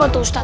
apa tuh ustad